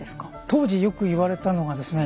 当時よく言われたのがですね